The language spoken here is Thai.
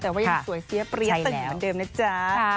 แต่ว่ายังสวยเสียเปรี้ยตึงอยู่เหมือนเดิมนะจ๊ะ